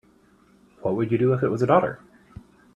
What would you do if it was a daughter?